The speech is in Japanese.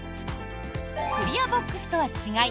クリアボックスとは違い